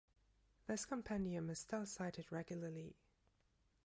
This compendium is still cited regularly.